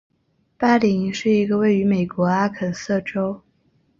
巴林是一个位于美国阿肯色州锡巴斯琴县的城市。